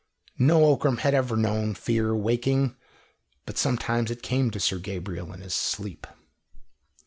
No Ockram had ever known fear waking, but sometimes it came to Sir Gabriel in his sleep.